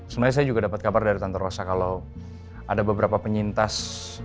sebenarnya saya juga dapat kabar dari kantor wassa kalau ada beberapa penyintas